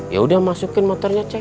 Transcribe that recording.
ya udah masukin motornya cek